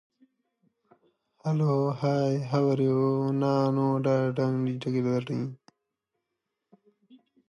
افغانستان د بامیان له پلوه یو خورا غني او بډایه هیواد دی.